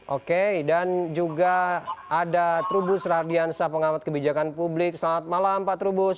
oke dan juga ada trubus radiansah pengamat kebijakan publik selamat malam pak trubus